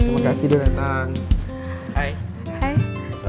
terima kasih udah dateng